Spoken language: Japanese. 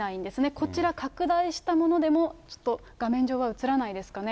こちら、拡大したものでも、ちょっと画面上は映らないですかね。